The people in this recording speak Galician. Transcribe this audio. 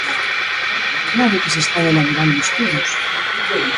¡Claro que se están elaborando estudos!